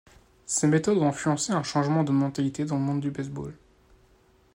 Ces méthodes ont influencé un changement de mentalité dans le monde du baseball.